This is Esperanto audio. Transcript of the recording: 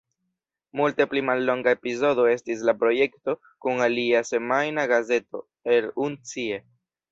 Multe pli mallonga epizodo estis la projekto kun alia semajna gazeto, "Er und Sie.